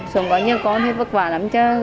sống có nhiêu con thì vất vả lắm chứ